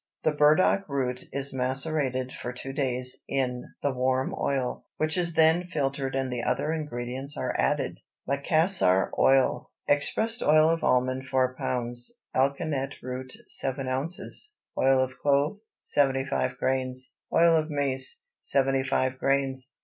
The burdock root is macerated for two days in the warm oil, which is then filtered and the other ingredients are added. MACASSAR OIL. Expressed oil of almond 4 lb. Alkanet root 7 oz. Oil of clove 75 grains. Oil of mace 75 grains.